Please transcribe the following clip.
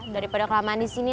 daripada kelamaan disini